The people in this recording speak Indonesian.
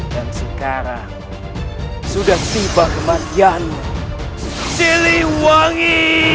dan sekarang sudah tiba kematianmu siliwangi